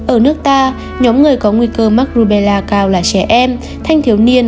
ở nước ta nhóm người có nguy cơ mắc rubella cao là trẻ em thanh thiếu niên